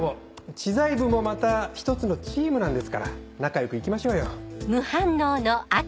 知財部もまた一つのチームなんですから仲良くいきましょうよ。